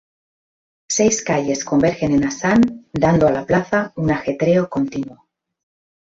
Seis calles convergen en Asan dando a la plaza un ajetreo continuo.